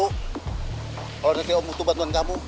kalau nanti om butuh bantuan kamu